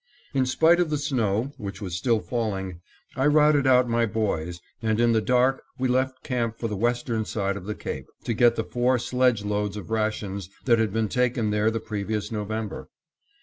In spite of the snow, which was still falling, I routed out my boys, and in the dark we left camp for the western side of the cape, to get the four sledge loads of rations that had been taken there the previous November.